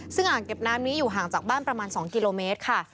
ซึ่งอ่างเก็บน้ำนี้อยู่ห่างจากบ้านประมาณ๒กิโลเมตรค่ะ